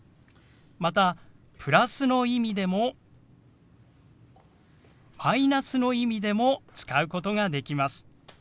またプラスの意味でもマイナスの意味でも使うことができます。